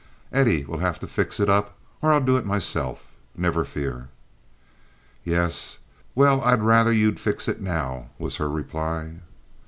Eddie will have to fix it up, or I'll do it meself. Never fear." "Yes—well, I'd rather you'd fix it now," was her reply.